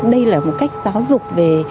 đây là một cách giáo dục về